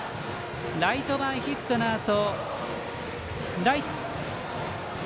ライト前ヒットのあと。